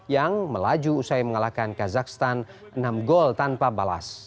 yang melaju usai mengalahkan kazakhstan enam gol tanpa balas